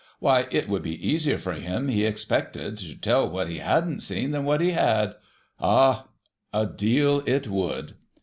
Why, it would be easier for him, he expected, to tell what he hadn't seen than what he had. Ah ! A deal, it would.